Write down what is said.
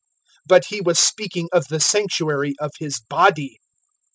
002:021 But He was speaking of the Sanctuary of His body.